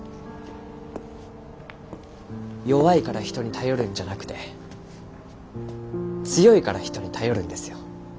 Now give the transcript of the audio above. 弱いから人に頼るんじゃなくて強いから人に頼るんですよ。